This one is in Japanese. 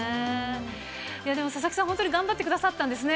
いやでも佐々木さん、本当に頑張ってくださったんですね。